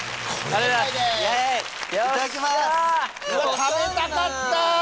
食べたかった！